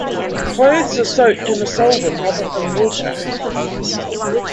Clothes are soaked in a solvent other than water.